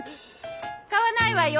買わないわよ。